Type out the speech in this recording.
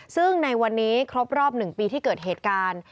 ซึ่งในวันนี้ครบรอบ๑ปีที่เกิดเหตุการณ์